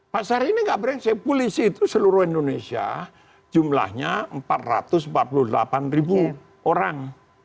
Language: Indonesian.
pasar ini nggak berengsek polisi itu seluruh indonesia jumlahnya empat ratus empat puluh delapan ribu orang